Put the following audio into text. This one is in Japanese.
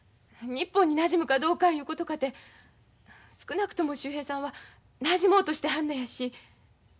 日本になじむかどうかいうことかて少なくとも秀平さんはなじもうとしてはんのやし。